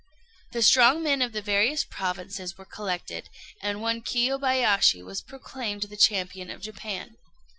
The strong men of the various provinces were collected, and one Kiyobayashi was proclaimed the champion of Japan.